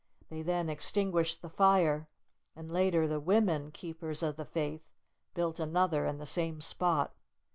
They then extinguished the fire, and later the women "Keepers of the Faith" built another in the same spot.